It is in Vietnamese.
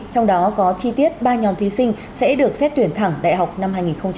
trong đó có chi tiết ba nhóm thí sinh sẽ được xét tuyển thẳng đại học năm hai nghìn hai mươi